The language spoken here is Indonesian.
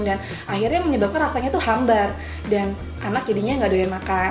dan akhirnya menyebabkan rasanya itu hambar dan anak jadinya gak doyan makan